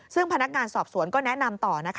ซึ่งพนักการณ์สอบสวนก็แนะนำต่อ